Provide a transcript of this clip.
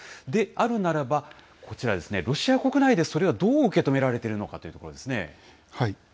であるならば、こちらですね、ロシア国内でそれがどう受け止められているのかということですね。